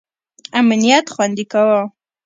امنیت خوندي کاوه.